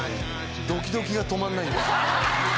ドキドキが止まんないんですよ。